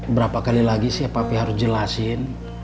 berapa kali lagi sih ya papi harus jelasin